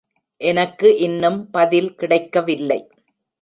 எனக்கு இன்னும் பதில் கிடைக்கவில்லை.